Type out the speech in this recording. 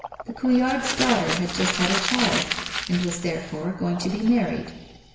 The Couillards' daughter had j u st had a child and was therefore going to be married.